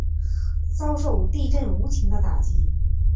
遭受地震无情的打击